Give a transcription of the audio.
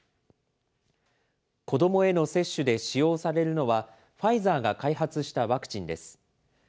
子どもへの接種で使用されるのはファイザーが開発したワクチンです。